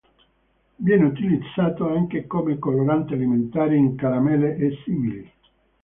Viene utilizzato anche come colorante alimentare in caramelle e simili.